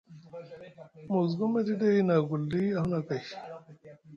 Musgum e ɗi ɗay na agulɗi a huna kai.